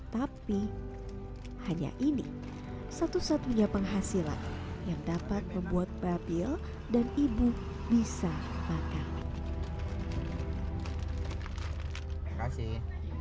tapi hanya ini satu satunya penghasilan yang dapat membuat babil dan ibu bisa makan